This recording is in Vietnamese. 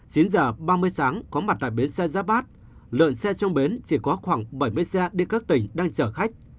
chín h ba mươi sáng có mặt tại bến xe giáp bát lượng xe trong bến chỉ có khoảng bảy mươi xe đi các tỉnh đang chở khách